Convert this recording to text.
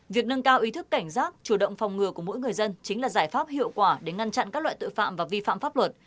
việc nâng cao ý thức cảnh giác chủ động phòng ngừa của mỗi người dân chính là giải pháp hiệu quả để ngăn chặn các loại tội phạm và vi phạm pháp luật